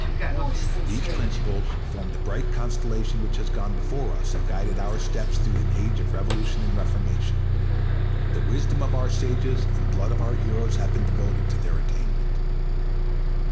These principles form the bright constellation which has gone before us and guided our steps through an age of revolution and reformation. The wisdom of our sages and blood of our heroes have been devoted to their attainment.